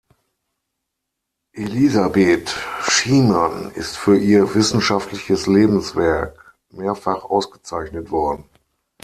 Elisabeth Schiemann ist für ihr wissenschaftliches Lebenswerk mehrfach ausgezeichnet worden.